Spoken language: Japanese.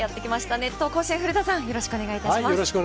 熱闘甲子園、古田さん、よろしくお願いします。